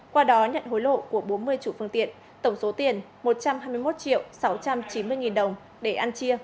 qua đó nhận hối lộ của bốn mươi chủ phương tiện tổng số tiền một trăm hai mươi một sáu trăm chín mươi nghìn đồng để ăn chia